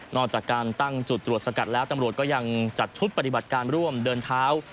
จากการตั้งจุดตรวจสกัดแล้วตำรวจก็ยังจัดชุดปฏิบัติการร่วมเดินเท้า